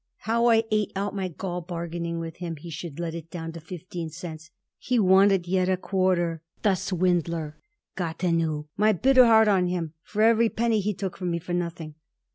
How I ate out my gall bargaining with him he should let it down to fifteen cents! He wanted yet a quarter, the swindler. Gottuniu! my bitter heart on him for every penny he took from me for nothing!"